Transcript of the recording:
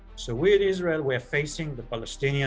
jadi kita di israel kita melawan pemerintah palestina